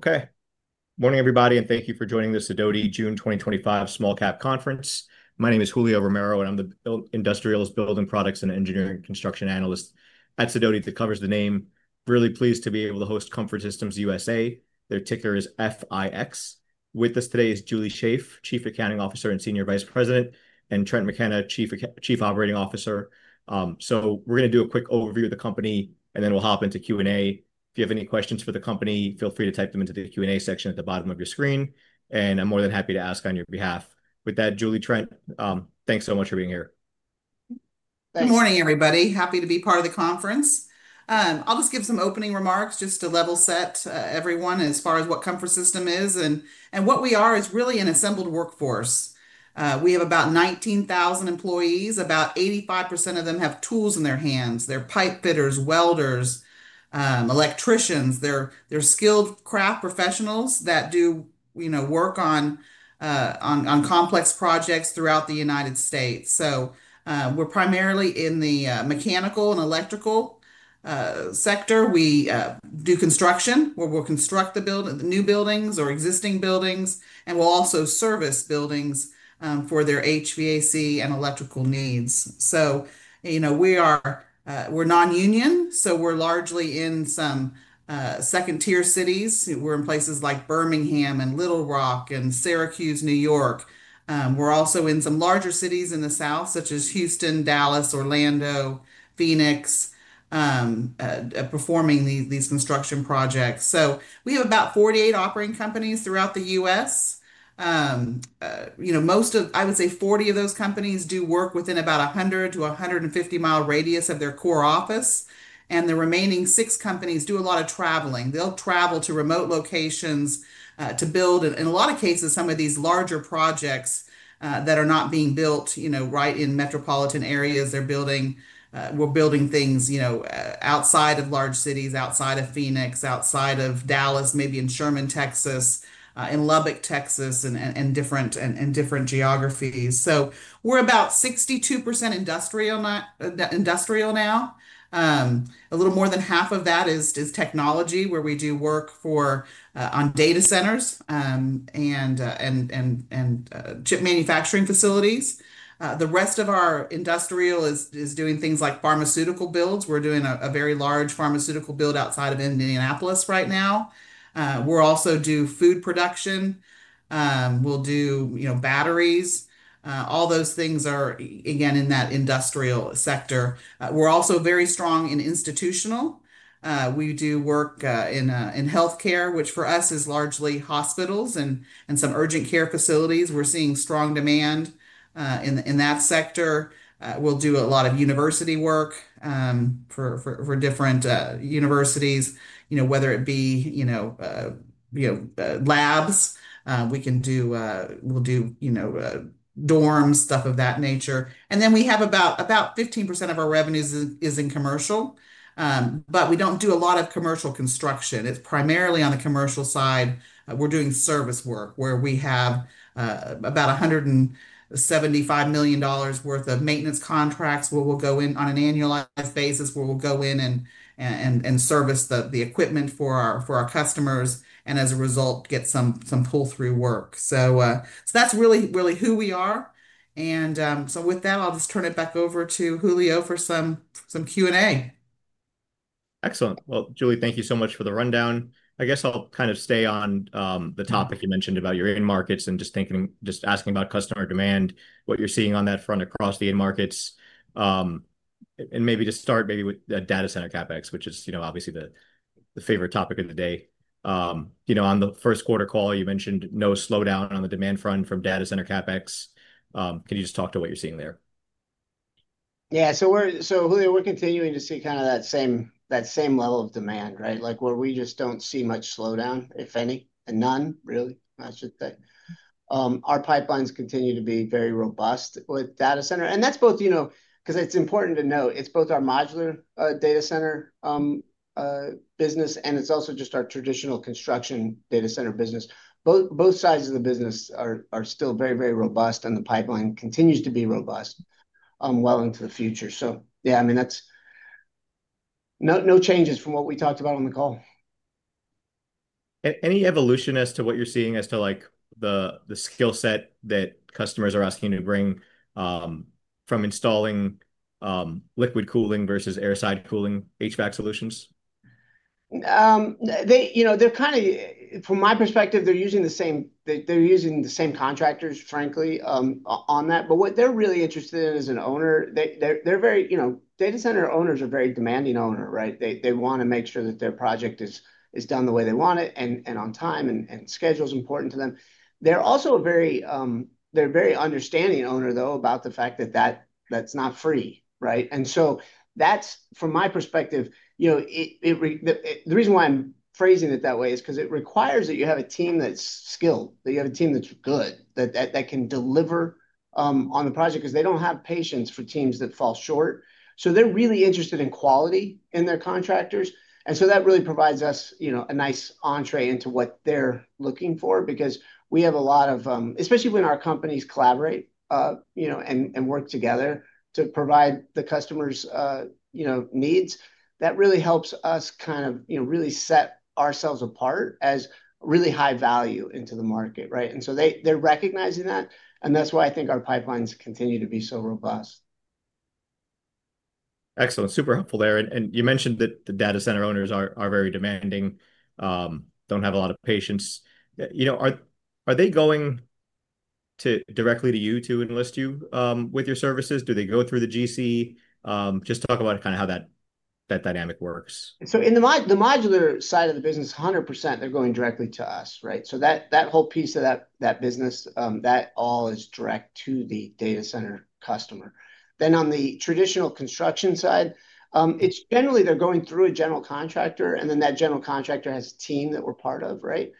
Okay. Morning, everybody, and thank you for joining the Sidoti June 2025 Small Cap Conference. My name is Julio Romero, and I'm the Industrials, Building Products, and Engineering Construction Analyst at Sidoti that covers the name. Really pleased to be able to host Comfort Systems USA. Their ticker is FIX. With us today is Julie Schaef, Chief Accounting Officer and Senior Vice President, and Trent McKenna, Chief Operating Officer. So we're going to do a quick overview of the company, and then we'll hop into Q&A. If you have any questions for the company, feel free to type them into the Q&A section at the bottom of your screen, and I'm more than happy to ask on your behalf. With that, Julie, Trent, thanks so much for being here. Good morning, everybody. Happy to be part of the conference. I'll just give some opening remarks just to level set everyone as far as what Comfort Systems is and what we are is really an assembled workforce. We have about 19,000 employees. About 85% of them have tools in their hands. They're pipe fitters, welders, electricians. They're skilled craft professionals that do work on complex projects throughout the United States. We are primarily in the mechanical and electrical sector. We do construction where we'll construct the new buildings or existing buildings, and we'll also service buildings for their HVAC and electrical needs. We are non-union, so we're largely in some second-tier cities. We're in places like Birmingham and Little Rock and Syracuse, New York. We're also in some larger cities in the South, such as Houston, Dallas, Orlando, and Phoenix, performing these construction projects. We have about 48 operating companies throughout the U.S. I would say 40 of those companies do work within about a 100-150 mi radius of their core office, and the remaining six companies do a lot of traveling. They'll travel to remote locations to build, in a lot of cases, some of these larger projects that are not being built right in metropolitan areas. We're building things outside of large cities, outside of Phoenix, outside of Dallas, maybe in Sherman, Texas, in Lubbock, Texas, and different geographies. We're about 62% industrial now. A little more than half of that is technology, where we do work on data centers and chip manufacturing facilities. The rest of our industrial is doing things like pharmaceutical builds. We're doing a very large pharmaceutical build outside of Indianapolis right now. We'll also do food production. We'll do batteries. All those things are, again, in that industrial sector. We're also very strong in institutional. We do work in healthcare, which for us is largely hospitals and some urgent care facilities. We're seeing strong demand in that sector. We'll do a lot of university work for different universities, whether it be labs. We'll do dorms, stuff of that nature. We have about 15% of our revenues is in commercial, but we don't do a lot of commercial construction. It's primarily on the commercial side. We're doing service work, where we have about $175 million worth of maintenance contracts where we'll go in on an annualized basis, where we'll go in and service the equipment for our customers and, as a result, get some pull-through work. That's really who we are. With that, I'll just turn it back over to Julio for some Q&A. Excellent. Julie, thank you so much for the rundown. I guess I'll kind of stay on the topic you mentioned about your end markets and just asking about customer demand, what you're seeing on that front across the end markets. Maybe to start, maybe with data center CapEx, which is obviously the favorite topic of the day. On the first quarter call, you mentioned no slowdown on the demand front from data center CapEx. Can you just talk to what you're seeing there? Yeah. Julio, we're continuing to see kind of that same level of demand, right? Like we just do not see much slowdown, if any, and none, really. That is just that. Our pipelines continue to be very robust with data center. That is both because it is important to note, it is both our modular data center business, and it is also just our traditional construction data center business. Both sides of the business are still very, very robust, and the pipeline continues to be robust well into the future. Yeah, I mean, no changes from what we talked about on the call. Any evolution as to what you're seeing as to the skill set that customers are asking to bring from installing liquid cooling versus airside cooling HVAC solutions? They're kind of, from my perspective, they're using the same contractors, frankly, on that. What they're really interested in as an owner, data center owners are a very demanding owner, right? They want to make sure that their project is done the way they want it and on time, and schedule is important to them. They're also a very understanding owner, though, about the fact that that's not free, right? From my perspective, the reason why I'm phrasing it that way is because it requires that you have a team that's skilled, that you have a team that's good, that can deliver on the project because they don't have patience for teams that fall short. They're really interested in quality in their contractors. That really provides us a nice entrée into what they're looking for because we have a lot of, especially when our companies collaborate and work together to provide the customer's needs, that really helps us kind of really set ourselves apart as really high value into the market, right? They are recognizing that, and that's why I think our pipelines continue to be so robust. Excellent. Super helpful there. You mentioned that the data center owners are very demanding, do not have a lot of patience. Are they going directly to you to enlist you with your services? Do they go through the GC? Just talk about kind of how that dynamic works. In the modular side of the business, 100%, they're going directly to us, right? That whole piece of that business, that all is direct to the data center customer. On the traditional construction side, it's generally they're going through a general contractor, and then that general contractor has a team that we're part of, right?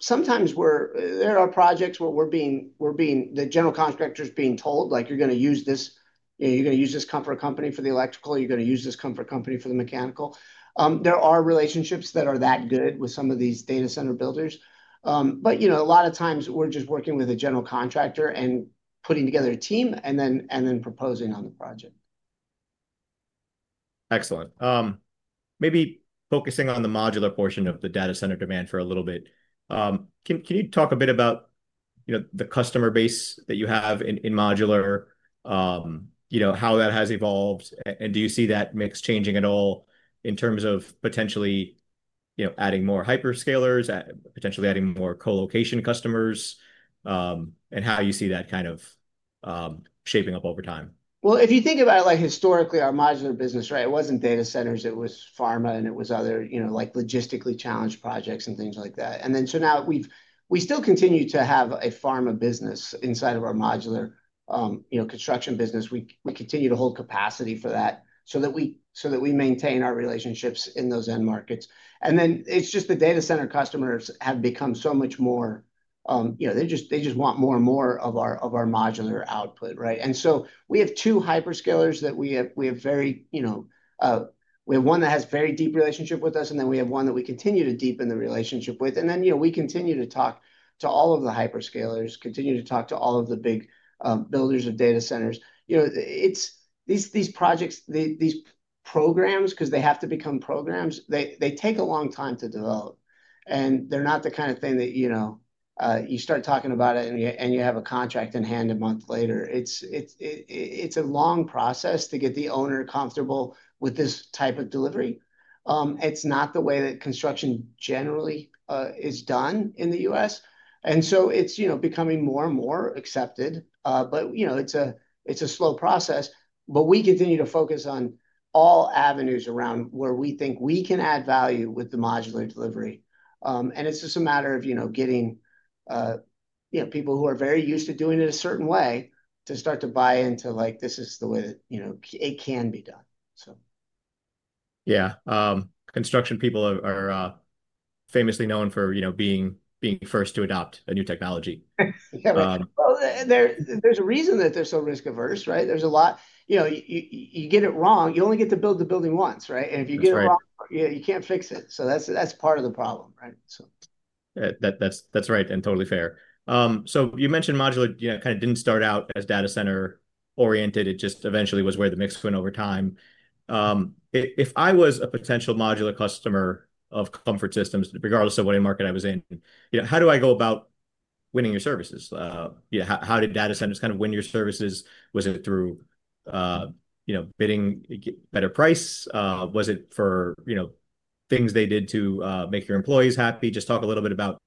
Sometimes there are projects where the general contractor's being told, like, "You're going to use this. You're going to use this comfort company for the electrical. You're going to use this comfort company for the mechanical." There are relationships that are that good with some of these data center builders. A lot of times, we're just working with a general contractor and putting together a team and then proposing on the project. Excellent. Maybe focusing on the modular portion of the data center demand for a little bit. Can you talk a bit about the customer base that you have in modular, how that has evolved, and do you see that mix changing at all in terms of potentially adding more hyperscalers, potentially adding more colocation customers, and how you see that kind of shaping up over time? If you think about it, historically, our modular business, right, it was not data centers. It was pharma, and it was other logistically challenged projects and things like that. Now we still continue to have a pharma business inside of our modular construction business. We continue to hold capacity for that so that we maintain our relationships in those end markets. It is just the data center customers have become so much more, they just want more and more of our modular output, right? We have two hyperscalers that we have, we have one that has a very deep relationship with us, and then we have one that we continue to deepen the relationship with. We continue to talk to all of the hyperscalers, continue to talk to all of the big builders of data centers. These projects, these programs, because they have to become programs, take a long time to develop. They're not the kind of thing that you start talking about, and you have a contract in hand a month later. It's a long process to get the owner comfortable with this type of delivery. It's not the way that construction generally is done in the U.S. It's becoming more and more accepted, but it's a slow process. We continue to focus on all avenues around where we think we can add value with the modular delivery. It's just a matter of getting people who are very used to doing it a certain way to start to buy into like, "This is the way that it can be done. Yeah. Construction people are famously known for being first to adopt a new technology. Yeah. There is a reason that they're so risk-averse, right? You get it wrong, you only get to build the building once, right? If you get it wrong, you can't fix it. That's part of the problem, right? That's right and totally fair. You mentioned modular kind of didn't start out as data center oriented. It just eventually was where the mix went over time. If I was a potential modular customer of Comfort Systems, regardless of what market I was in, how do I go about winning your services? How did data centers kind of win your services? Was it through bidding a better price? Was it for things they did to make your employees happy? Just talk a little bit about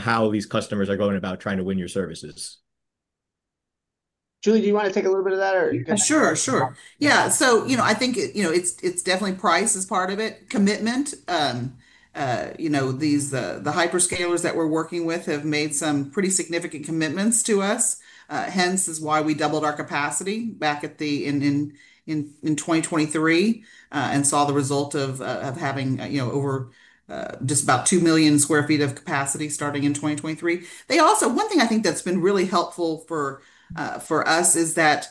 how these customers are going about trying to win your services. Julie, do you want to take a little bit of that or you can? Sure, sure. Yeah. I think it's definitely price is part of it, commitment. The hyperscalers that we're working with have made some pretty significant commitments to us. Hence is why we doubled our capacity back in 2023 and saw the result of having just about 2 million sq ft of capacity starting in 2023. One thing I think that's been really helpful for us is that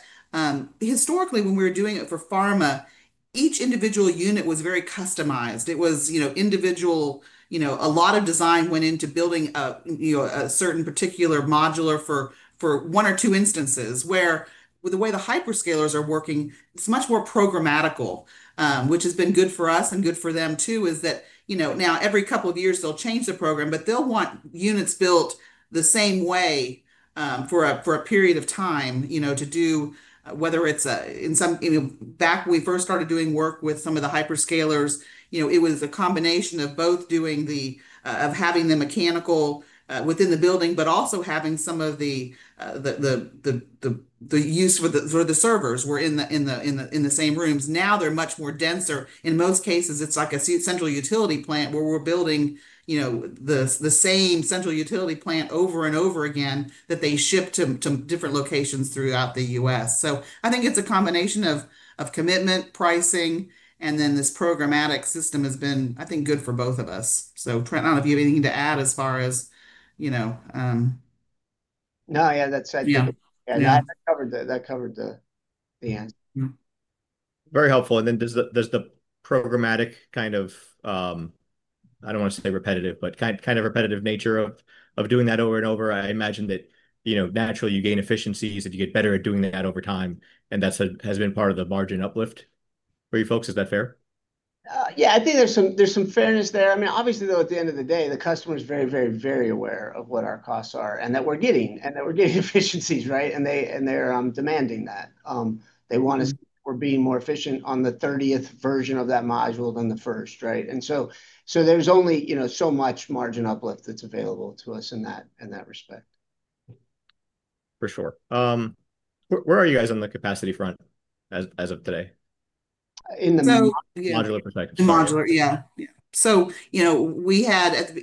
historically, when we were doing it for pharma, each individual unit was very customized. It was individual. A lot of design went into building a certain particular modular for one or two instances where, with the way the hyperscalers are working, it's much more programmatical, which has been good for us and good for them too, is that now every couple of years, they'll change the program, but they'll want units built the same way for a period of time to do, whether it's in some back when we first started doing work with some of the hyperscalers, it was a combination of both doing the of having the mechanical within the building, but also having some of the use for the servers were in the same rooms. Now they're much more denser. In most cases, it's like a central utility plant where we're building the same central utility plant over and over again that they ship to different locations throughout the U.S. I think it's a combination of commitment, pricing, and then this programmatic system has been, I think, good for both of us. Trent, I don't know if you have anything to add as far as. No, yeah, that's it. That covered the answer. Very helpful. Then there is the programmatic kind of, I do not want to say repetitive, but kind of repetitive nature of doing that over and over. I imagine that naturally, you gain efficiencies if you get better at doing that over time, and that has been part of the margin uplift for you folks. Is that fair? Yeah. I think there's some fairness there. I mean, obviously, though, at the end of the day, the customer is very, very, very aware of what our costs are and that we're getting efficiencies, right? And they're demanding that. They want us to be more efficient on the 30th version of that module than the first, right? And so there's only so much margin uplift that's available to us in that respect. For sure. Where are you guys on the capacity front as of today? In the modular perspective. The modular, yeah.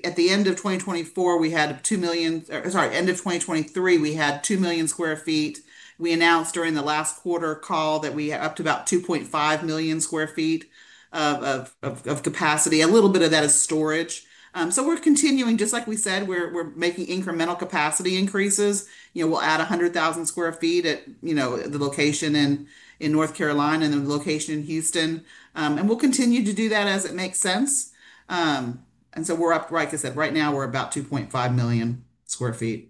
At the end of 2024, we had 2 million, sorry, end of 2023, we had 2 million sq ft. We announced during the last quarter call that we had up to about 2.5 million sq ft of capacity. A little bit of that is storage. We are continuing, just like we said, we are making incremental capacity increases. We will add 100,000 sq ft at the location in North Carolina and the location in Houston. We will continue to do that as it makes sense. We are up, like I said, right now, we are about 2.5 million sq ft.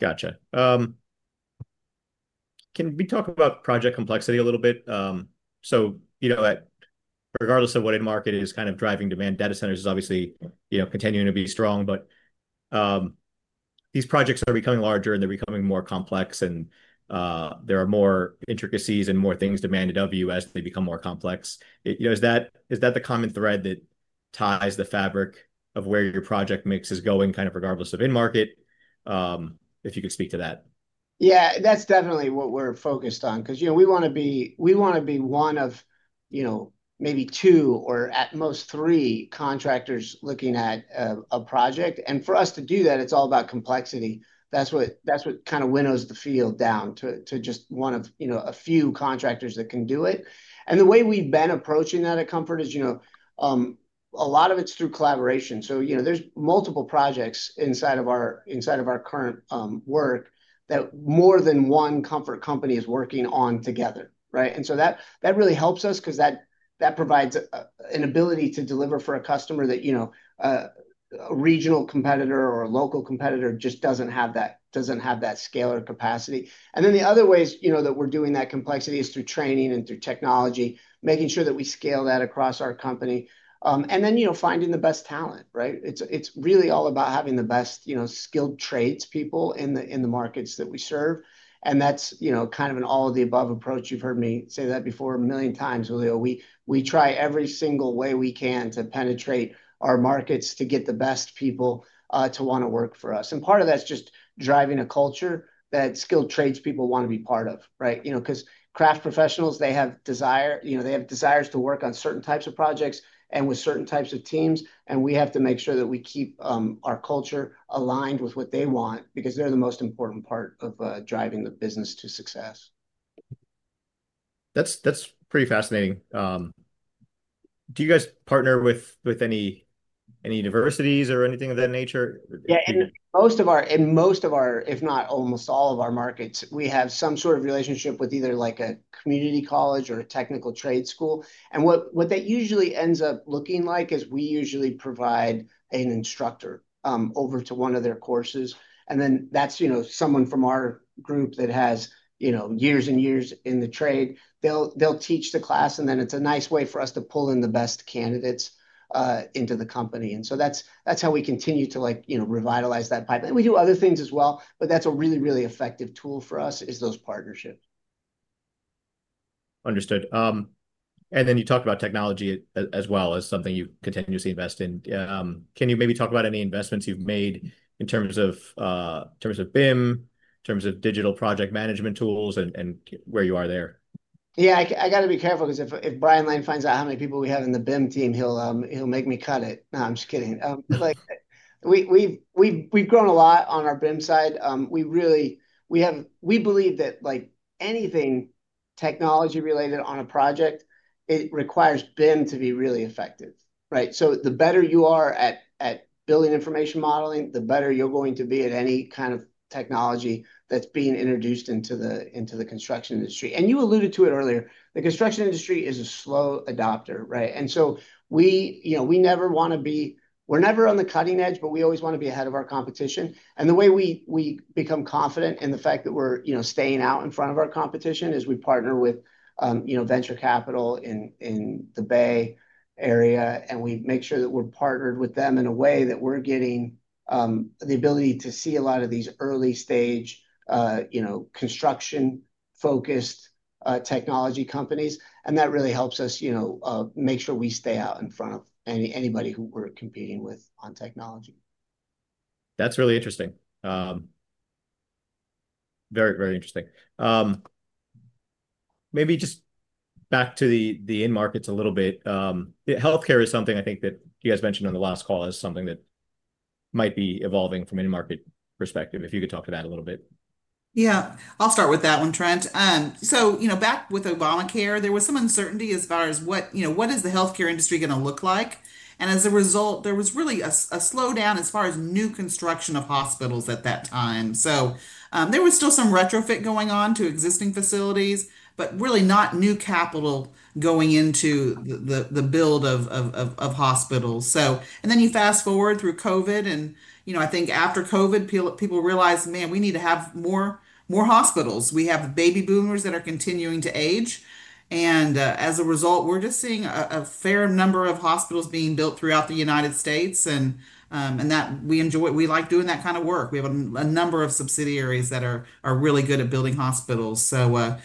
Gotcha. Can we talk about project complexity a little bit? Regardless of what end market is kind of driving demand, data centers is obviously continuing to be strong, but these projects are becoming larger and they're becoming more complex, and there are more intricacies and more things demanded of you as they become more complex. Is that the common thread that ties the fabric of where your project mix is going kind of regardless of end market? If you could speak to that. Yeah. That's definitely what we're focused on because we want to be one of maybe two or at most three contractors looking at a project. For us to do that, it's all about complexity. That's what kind of winnows the field down to just one of a few contractors that can do it. The way we've been approaching that at Comfort is a lot of it's through collaboration. There are multiple projects inside of our current work that more than one Comfort company is working on together, right? That really helps us because that provides an ability to deliver for a customer that a regional competitor or a local competitor just doesn't have that scale or capacity. The other ways that we're doing that complexity is through training and through technology, making sure that we scale that across our company. Finding the best talent, right? It's really all about having the best skilled tradespeople in the markets that we serve. That's kind of an all of the above approach. You've heard me say that before a million times, Julio. We try every single way we can to penetrate our markets to get the best people to want to work for us. Part of that's just driving a culture that skilled tradespeople want to be part of, right? Because craft professionals, they have desire. They have desires to work on certain types of projects and with certain types of teams. We have to make sure that we keep our culture aligned with what they want because they're the most important part of driving the business to success. That's pretty fascinating. Do you guys partner with any universities or anything of that nature? Yeah. In most of our, if not almost all of our markets, we have some sort of relationship with either a community college or a technical trade school. What that usually ends up looking like is we usually provide an instructor over to one of their courses. That is someone from our group that has years and years in the trade. They'll teach the class, and then it's a nice way for us to pull in the best candidates into the company. That is how we continue to revitalize that pipeline. We do other things as well, but that's a really, really effective tool for us, those partnerships. Understood. You talked about technology as well as something you continuously invest in. Can you maybe talk about any investments you've made in terms of BIM, in terms of digital project management tools, and where you are there? Yeah. I got to be careful because if Brian Lane finds out how many people we have in the BIM team, he'll make me cut it. No, I'm just kidding. We've grown a lot on our BIM side. We believe that anything technology-related on a project, it requires BIM to be really effective, right? The better you are at building information modeling, the better you're going to be at any kind of technology that's being introduced into the construction industry. You alluded to it earlier. The construction industry is a slow adopter, right? We never want to be, we're never on the cutting edge, but we always want to be ahead of our competition. The way we become confident in the fact that we're staying out in front of our competition is we partner with venture capital in the Bay Area, and we make sure that we're partnered with them in a way that we're getting the ability to see a lot of these early-stage construction-focused technology companies. That really helps us make sure we stay out in front of anybody who we're competing with on technology. That's really interesting. Very, very interesting. Maybe just back to the end markets a little bit. Healthcare is something I think that you guys mentioned on the last call is something that might be evolving from any market perspective. If you could talk to that a little bit. Yeah. I'll start with that one, Trent. Back with Obamacare, there was some uncertainty as far as what is the healthcare industry going to look like. As a result, there was really a slowdown as far as new construction of hospitals at that time. There was still some retrofit going on to existing facilities, but really not new capital going into the build of hospitals. You fast forward through COVID, and I think after COVID, people realized, "Man, we need to have more hospitals." We have baby boomers that are continuing to age. As a result, we're just seeing a fair number of hospitals being built throughout the United States. We like doing that kind of work. We have a number of subsidiaries that are really good at building hospitals. The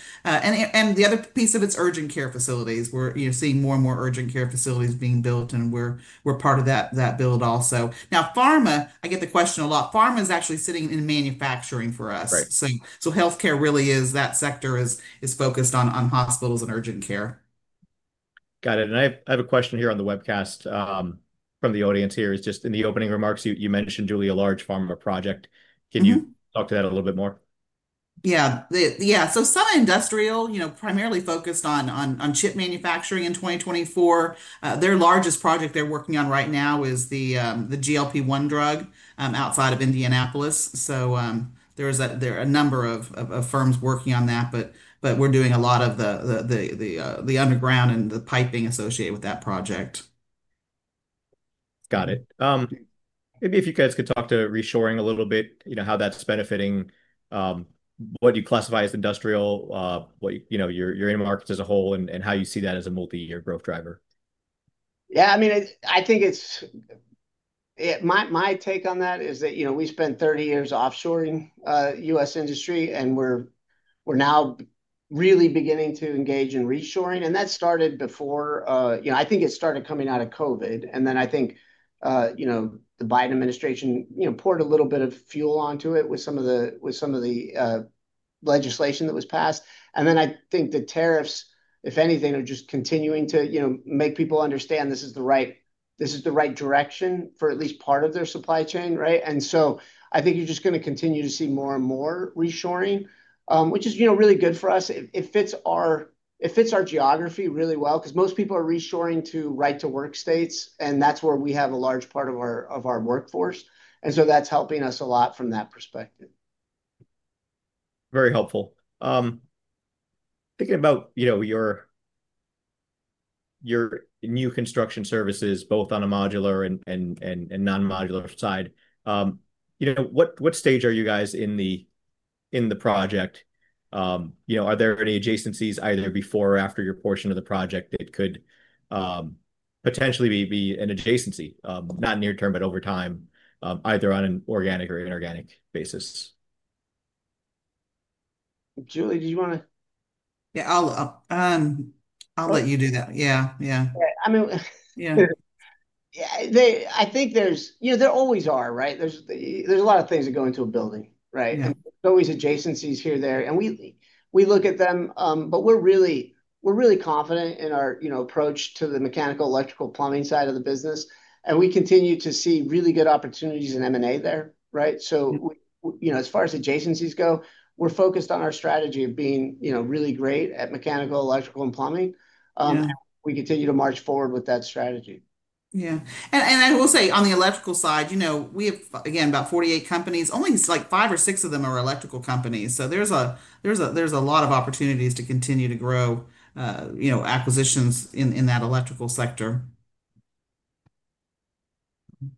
other piece of it is urgent care facilities. We're seeing more and more urgent care facilities being built, and we're part of that build also. Now, pharma, I get the question a lot. Pharma is actually sitting in manufacturing for us. So healthcare really is that sector is focused on hospitals and urgent care. Got it. I have a question here on the webcast from the audience here. It's just in the opening remarks, you mentioned, Julie, a large pharma project. Can you talk to that a little bit more? Yeah. Yeah. Suna Industrial primarily focused on chip manufacturing in 2024. Their largest project they're working on right now is the GLP-1 drug outside of Indianapolis. There are a number of firms working on that, but we're doing a lot of the underground and the piping associated with that project. Got it. Maybe if you guys could talk to reshoring a little bit, how that's benefiting what you classify as industrial, your end markets as a whole, and how you see that as a multi-year growth driver. Yeah. I mean, I think my take on that is that we spent 30 years offshoring U.S. industry, and we're now really beginning to engage in reshoring. That started before, I think it started coming out of COVID. I think the Biden administration poured a little bit of fuel onto it with some of the legislation that was passed. I think the tariffs, if anything, are just continuing to make people understand this is the right direction for at least part of their supply chain, right? I think you're just going to continue to see more and more reshoring, which is really good for us. It fits our geography really well because most people are reshoring to right-to-work states, and that's where we have a large part of our workforce. That's helping us a lot from that perspective. Very helpful. Thinking about your new construction services, both on a modular and non-modular side, what stage are you guys in the project? Are there any adjacencies either before or after your portion of the project that could potentially be an adjacency, not near term, but over time, either on an organic or inorganic basis? Julie, did you want to? Yeah. I'll let you do that. Yeah. I mean, I think there always are, right? There's a lot of things that go into a building, right? There's always adjacencies here, there. And we look at them, but we're really confident in our approach to the mechanical, electrical, plumbing side of the business. We continue to see really good opportunities in M&A there, right? As far as adjacencies go, we're focused on our strategy of being really great at mechanical, electrical, and plumbing. We continue to march forward with that strategy. Yeah. I will say on the electrical side, we have, again, about 48 companies. Only five or six of them are electrical companies. There is a lot of opportunities to continue to grow acquisitions in that electrical sector.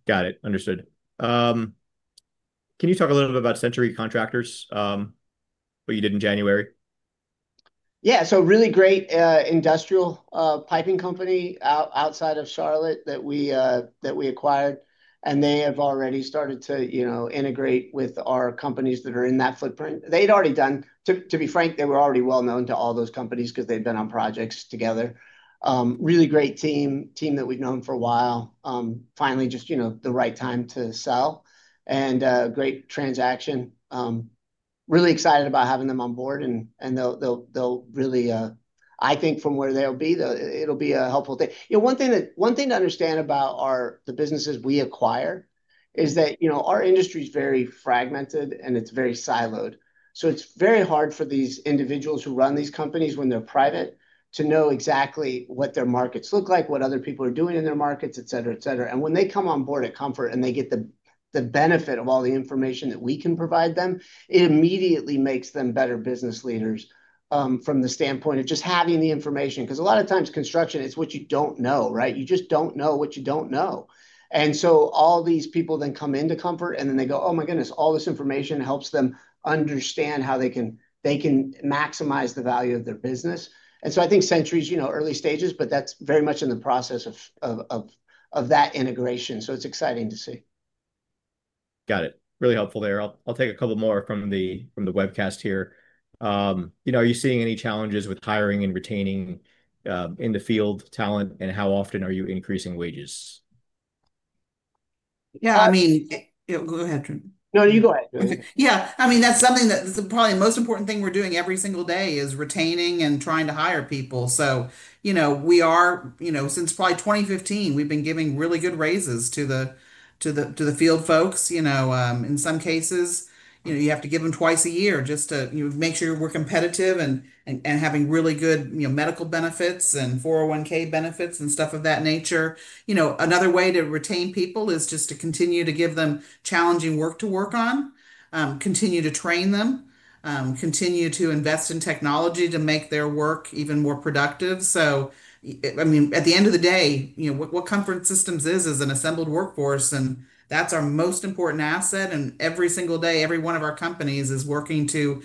Got it. Understood. Can you talk a little bit about Century Contractors, what you did in January? Yeah. A really great industrial piping company outside of Charlotte that we acquired. They have already started to integrate with our companies that are in that footprint. They'd already done, to be frank, they were already well-known to all those companies because they'd been on projects together. Really great team that we've known for a while. Finally, just the right time to sell. Great transaction. Really excited about having them on board. They'll really, I think, from where they'll be, it'll be a helpful thing. One thing to understand about the businesses we acquire is that our industry is very fragmented, and it's very siloed. It's very hard for these individuals who run these companies when they're private to know exactly what their markets look like, what other people are doing in their markets, etc., etc. When they come on board at Comfort and they get the benefit of all the information that we can provide them, it immediately makes them better business leaders from the standpoint of just having the information. Because a lot of times construction, it's what you don't know, right? You just don't know what you don't know. All these people then come into Comfort, and then they go, "Oh my goodness, all this information helps them understand how they can maximize the value of their business." I think Century's early stages, but that's very much in the process of that integration. It is exciting to see. Got it. Really helpful there. I'll take a couple more from the webcast here. Are you seeing any challenges with hiring and retaining in-the-field talent, and how often are you increasing wages? Yeah. I mean. Go ahead, Trent. No, you go ahead. Yeah. I mean, that's something that's probably the most important thing we're doing every single day is retaining and trying to hire people. We are, since probably 2015, we've been giving really good raises to the field folks. In some cases, you have to give them twice a year just to make sure we're competitive and having really good medical benefits and 401(k) benefits and stuff of that nature. Another way to retain people is just to continue to give them challenging work to work on, continue to train them, continue to invest in technology to make their work even more productive. I mean, at the end of the day, what Comfort Systems is, is an assembled workforce, and that's our most important asset. Every single day, every one of our companies is working to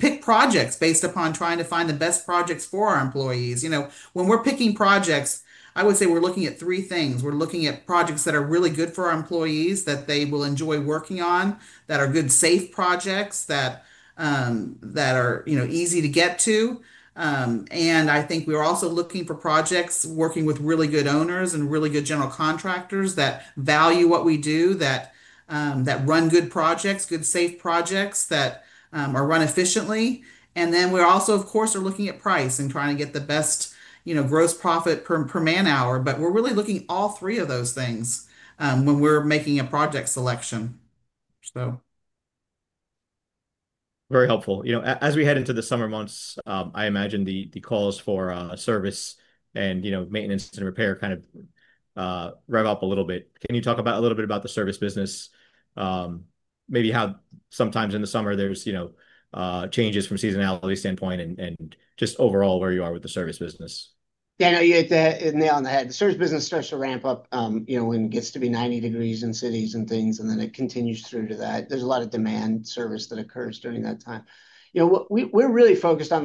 pick projects based upon trying to find the best projects for our employees. When we're picking projects, I would say we're looking at three things. We're looking at projects that are really good for our employees, that they will enjoy working on, that are good, safe projects, that are easy to get to. I think we're also looking for projects working with really good owners and really good general contractors that value what we do, that run good projects, good, safe projects that are run efficiently. We're also, of course, looking at price and trying to get the best gross profit per man-hour. We're really looking at all three of those things when we're making a project selection. Very helpful. As we head into the summer months, I imagine the calls for service and maintenance and repair kind of rev up a little bit. Can you talk a little bit about the service business, maybe how sometimes in the summer there's changes from a seasonality standpoint and just overall where you are with the service business? Yeah. No, you hit the nail on the head. The service business starts to ramp up when it gets to be 90 degrees in cities and things, and then it continues through to that. There's a lot of demand service that occurs during that time. We're really focused on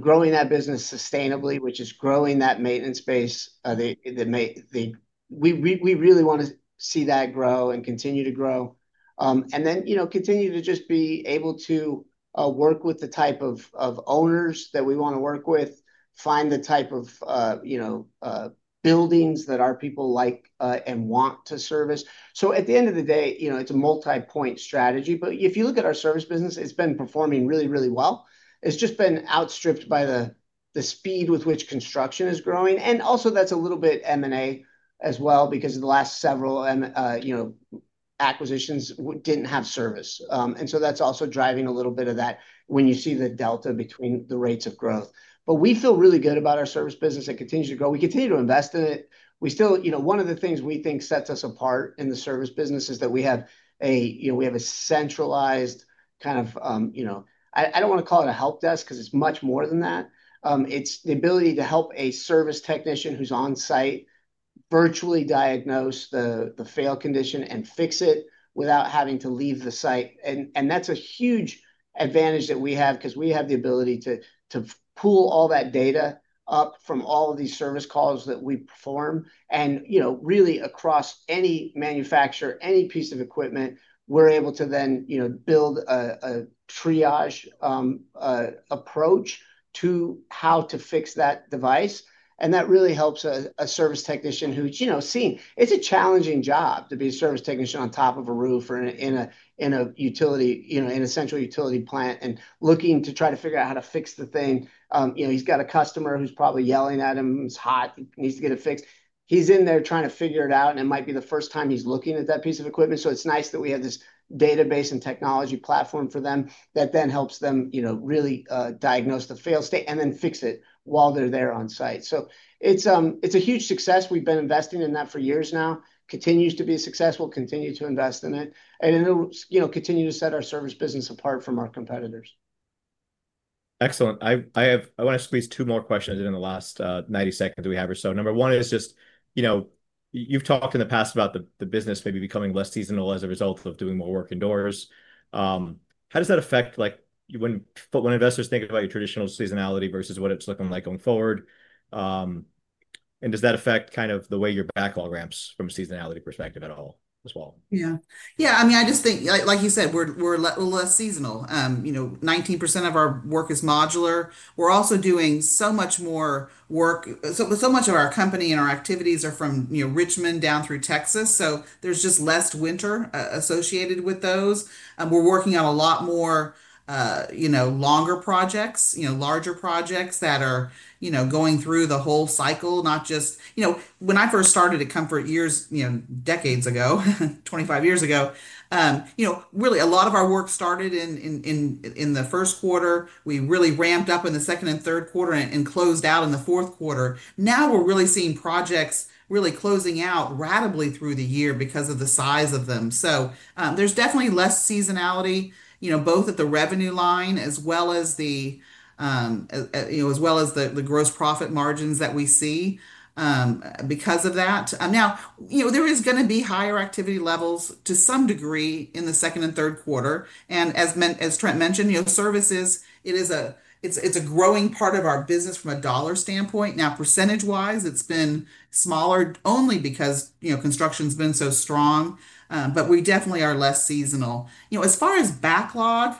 growing that business sustainably, which is growing that maintenance base. We really want to see that grow and continue to grow and then continue to just be able to work with the type of owners that we want to work with, find the type of buildings that our people like and want to service. At the end of the day, it's a multi-point strategy. If you look at our service business, it's been performing really, really well. It's just been outstripped by the speed with which construction is growing. That is a little bit M&A as well because the last several acquisitions did not have service. That is also driving a little bit of that when you see the delta between the rates of growth. We feel really good about our service business. It continues to grow. We continue to invest in it. One of the things we think sets us apart in the service business is that we have a centralized kind of, I do not want to call it a help desk because it is much more than that. It is the ability to help a service technician who is on-site virtually diagnose the fail condition and fix it without having to leave the site. That is a huge advantage that we have because we have the ability to pull all that data up from all of these service calls that we perform. Really, across any manufacturer, any piece of equipment, we're able to then build a triage approach to how to fix that device. That really helps a service technician who's seeing it's a challenging job to be a service technician on top of a roof or in a central utility plant and looking to try to figure out how to fix the thing. He's got a customer who's probably yelling at him. It's hot. He needs to get it fixed. He's in there trying to figure it out, and it might be the first time he's looking at that piece of equipment. It's nice that we have this database and technology platform for them that then helps them really diagnose the fail state and then fix it while they're there on-site. It's a huge success. We've been investing in that for years now. Continues to be successful. Continue to invest in it. It'll continue to set our service business apart from our competitors. Excellent. I want to squeeze two more questions in the last 90 seconds we have or so. Number one is just you've talked in the past about the business maybe becoming less seasonal as a result of doing more work indoors. How does that affect when investors think about your traditional seasonality versus what it's looking like going forward? Does that affect kind of the way your backlog ramps from a seasonality perspective at all as well? Yeah. Yeah. I mean, I just think, like you said, we're less seasonal. 19% of our work is modular. We're also doing so much more work. So much of our company and our activities are from Richmond down through Texas. So there's just less winter associated with those. We're working on a lot more longer projects, larger projects that are going through the whole cycle, not just when I first started at Comfort years, decades ago, 25 years ago, really, a lot of our work started in the first quarter. We really ramped up in the second and third quarter and closed out in the fourth quarter. Now we're really seeing projects really closing out radically through the year because of the size of them. There's definitely less seasonality, both at the revenue line as well as the gross profit margins that we see because of that. Now, there is going to be higher activity levels to some degree in the second and third quarter. And as Trent mentioned, services, it's a growing part of our business from a dollar standpoint. Now, percentage-wise, it's been smaller only because construction's been so strong. But we definitely are less seasonal. As far as backlog,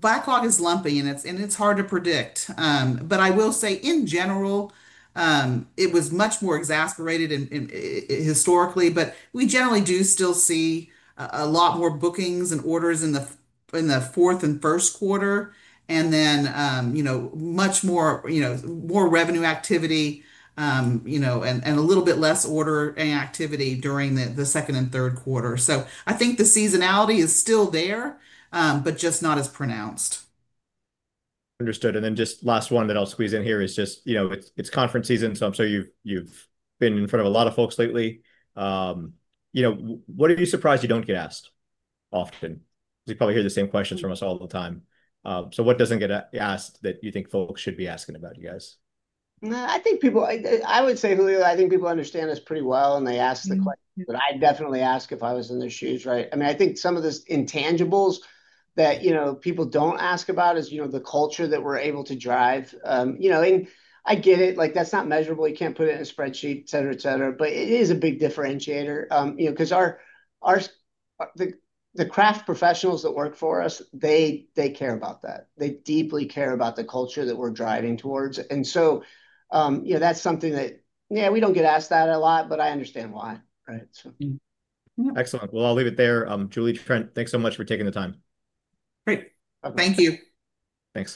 backlog is lumpy, and it's hard to predict. I will say, in general, it was much more exasperated historically. We generally do still see a lot more bookings and orders in the fourth and first quarter and then much more revenue activity and a little bit less order and activity during the second and third quarter. I think the seasonality is still there, but just not as pronounced. Understood. And then just last one that I'll squeeze in here is just it's conference season, so I'm sure you've been in front of a lot of folks lately. What are you surprised you don't get asked often? Because you probably hear the same questions from us all the time. So what doesn't get asked that you think folks should be asking about you guys? I think people, I would say, Julie, that I think people understand us pretty well and they ask the questions. I'd definitely ask if I was in their shoes, right? I mean, I think some of the intangibles that people don't ask about is the culture that we're able to drive. I get it. That's not measurable. You can't put it in a spreadsheet, etc., etc. It is a big differentiator because the craft professionals that work for us, they care about that. They deeply care about the culture that we're driving towards. That's something that, yeah, we don't get asked that a lot, but I understand why, right? Excellent. I'll leave it there. Julie, Trent, thanks so much for taking the time. Great. Thank you. Thanks.